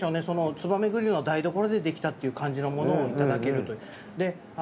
そのつばめグリルの台所でできたっていう感じのものをいただけるという。